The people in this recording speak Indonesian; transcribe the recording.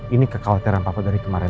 ini kekhawatiran papua dari kemarin